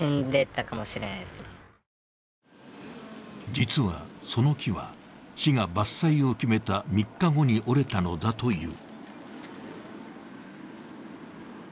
実は、その木は市が伐採を決めた３日後に折れたのだという。